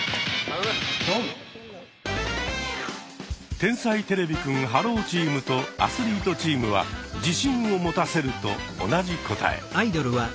天才てれびくんｈｅｌｌｏ，チームとアスリートチームは「自信を持たせる」と同じ答え。